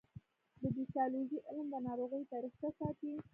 د پیتالوژي علم د ناروغیو تاریخچه ساتي.